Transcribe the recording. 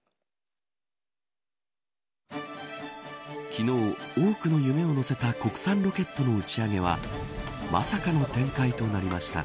昨日、多くの夢をのせた国産ロケットの打ち上げはまさかの展開となりました。